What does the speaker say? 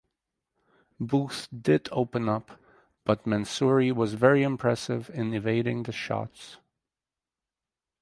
Booth did open up but Mansouri was very impressive in evading the shots.